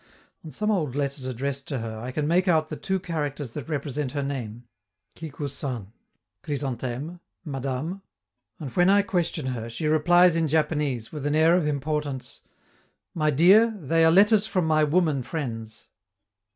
On some old letters addressed to her, I can make out the two characters that represent her name: Kikousan ("Chrysantheme, Madame"). And when I question her, she replies in Japanese, with an air of importance: "My dear, they are letters from my woman friends."